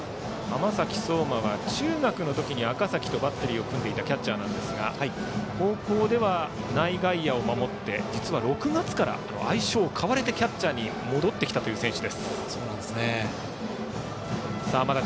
浜崎綜馬は中学の時に赤嵜とバッテリーを組んでいたキャッチャーなんですが高校では内外野を守って実は６月から相性を買われてキャッチャーに戻ってきた選手。